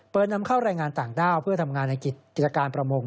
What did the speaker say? นำเข้าแรงงานต่างด้าวเพื่อทำงานในกิจการประมง